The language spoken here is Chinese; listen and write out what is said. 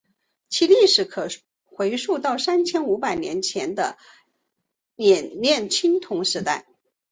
其历史可回溯到三千五百多年前的冶炼青铜时代。